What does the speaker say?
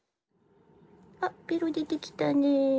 あベロ出てきたね。